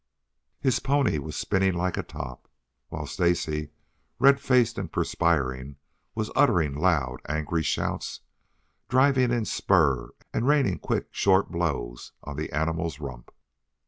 His pony was spinning like a top, while Stacy red faced and perspiring was uttering loud, angry shouts, driving in spur and raining quick, short blows on the animal's rump.